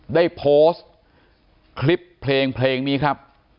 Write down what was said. ได้โพสต์คลิปเพลงนี้ครับ